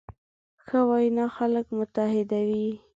ښه وینا خلک متحدوي.